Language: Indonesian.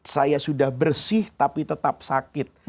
saya sudah bersih tapi tetap sakit